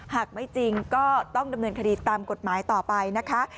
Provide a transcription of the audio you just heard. หากไม่จริงก็ต้องดำเนินคดีตามกฎหมายต่อไปนะคะ